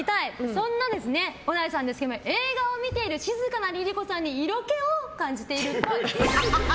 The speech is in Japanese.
そんな小田井さんですが映画を見ている静かなＬｉＬｉＣｏさんに色気を感じているっぽい。